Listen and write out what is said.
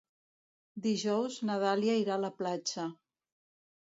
Dijous na Dàlia irà a la platja.